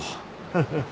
フフフ。